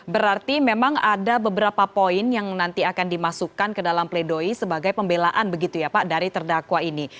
berarti memang ada beberapa poin yang nanti akan dimasukkan ke dalam pledoi sebagai pembelaan begitu ya pak dari terdakwa ini